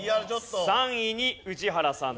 ３位に宇治原さん。